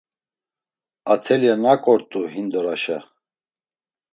Atelya nak ort̆u hindoraşa?